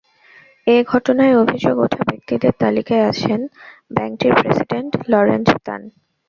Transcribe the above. এ ঘটনায় অভিযোগ ওঠা ব্যক্তিদের তালিকায় আছেন ব্যাংটির প্রেসিডেন্ট লরেঞ্জ তান।